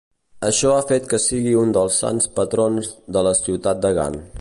Això ha fet que sigui un dels sants patrons de la ciutat de Gant.